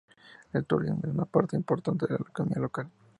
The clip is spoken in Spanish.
El turismo es una parte importante de la economía local.